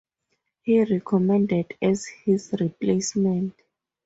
He recommended as his replacement.